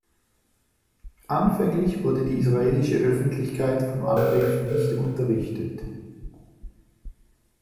Anfänglich wurde die israelische Öffentlichkeit vom Angriff nicht unterrichtet.